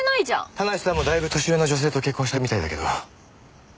田無さんもだいぶ年上の女性と結婚したみたいだけど。